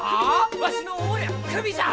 わしのお守りはクビじゃ！